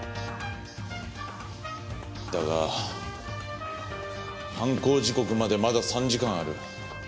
だが犯行時刻までまだ３時間ある。